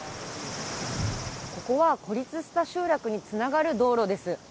ここは孤立した集落につながる道路です。